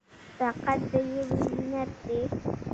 صداقت د ژبې زینت دی.